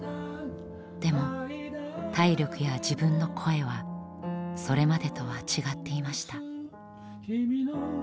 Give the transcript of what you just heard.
でも体力や自分の声はそれまでとは違っていました。